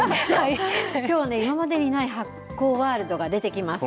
きょうね、今までにない発酵ワールドが出てきます。